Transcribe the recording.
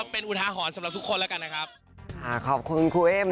เป็นอุทาหอนสำหรับทุกคน